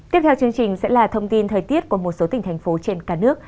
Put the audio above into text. tiếp theo chương trình sẽ là thông tin thời tiết của một số tỉnh thành phố trên cả nước